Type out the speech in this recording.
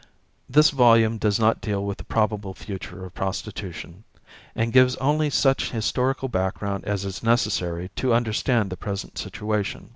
This volume does not deal with the probable future of prostitution, and gives only such historical background as is necessary to understand the present situation.